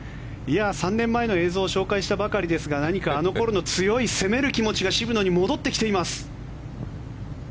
３年前の映像を紹介したばかりですが何かあの頃の強い攻める気持ちが渋野に戻ってきています。